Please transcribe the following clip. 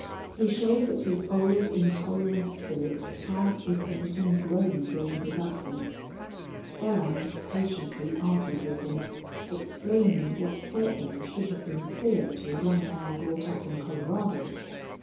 He showed that his old, intolerant spirit had, if anything, grown during his absence. Belllounds patiently argued with him, explaining what certainly should have been clear to a young man brought up in Colorado.